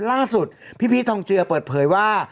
ล่าสุดพี่พีชทองเจือเปิดเผยว่า